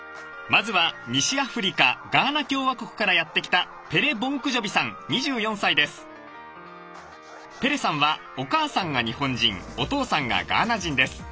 まずは西アフリカガーナ共和国からやって来たペレさんはお母さんが日本人お父さんがガーナ人です。